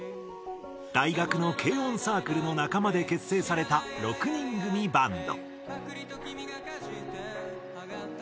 大学の軽音サークルの仲間で結成された６人組バンド。